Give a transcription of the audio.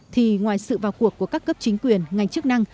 thì ngoài sự vào cuộc của các cấp chính quyền ngành chức năng